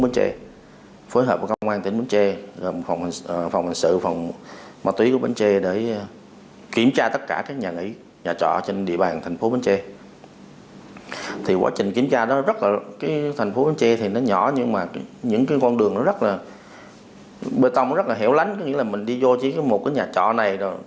bên trong rất là hiểu lắng nghĩa là mình đi vô chỉ có một cái nhà trọ này